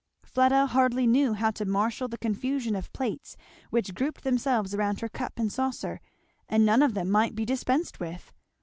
Fleda hardly knew how to marshal the confusion of plates which grouped themselves around her cup and saucer, and none of them might be dispensed with.